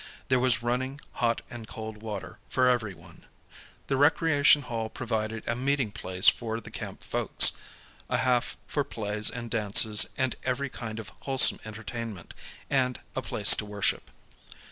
There was running hot and cold water for everyone. The recreation hall provided a meeting place for the camp folks, a hall for plays and dances and every kind of wholesome entertainment, and a place to worship.